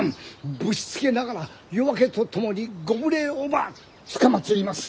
ぶしつけながら夜明けとともにご無礼をばつかまつります！